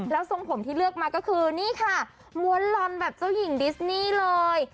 แล้วทรงผมที่เลือกมาก็คือนี่ค่ะม้วนลอนแบบเจ้าหญิงดิสนี่เลย